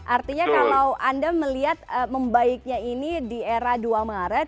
artinya kalau anda melihat membaiknya ini di era dua maret